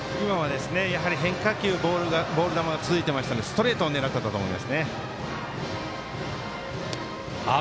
変化球ボール球が続いてましたのでストレートを狙ったと思います。